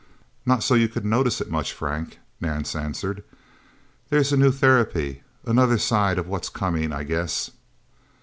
"Not so you could notice it much, Frank," Nance answered. "There's a new therapy another side of What's Coming, I guess..."